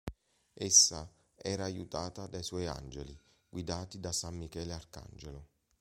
Essa era aiutata dai suoi angeli, guidati da san Michele Arcangelo.